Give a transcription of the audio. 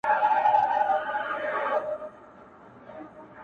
ستا په مینه کي برباد دی؛ پروت په وینو کي لت پت دی؛